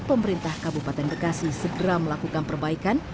pemerintah kabupaten bekasi segera melakukan perbaikan